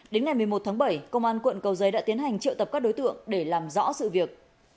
đến ngày một mươi một tháng bảy công an quận cầu giấy đã tiến hành triệu tập các đối tượng để làm rõ sự việc